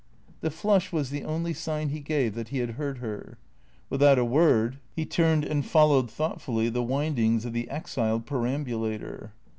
The flush was the only sign he gave that he had heard her. Without a word he turned and followed, thoughtfully, the wind ings of the exiled perambulator.